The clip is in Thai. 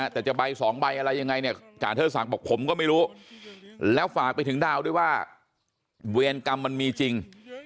แต่จะใบสองใบอะไรยังไงเนี่ยจาเทิดศักดิ์บอกผมก็ไม่รู้แล้วฝากไปถึงดาวด้วยว่าเวรกรรมมันมีจริง